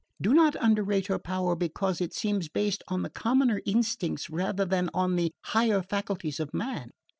Do not underrate her power because it seems based on the commoner instincts rather than on the higher faculties of man.